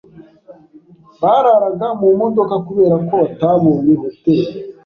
Bararaga mu modoka kubera ko batabonye hoteri.